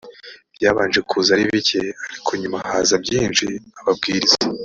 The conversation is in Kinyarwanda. byabanje kuza ari bike ariko nyuma haza byinshi ababwiriza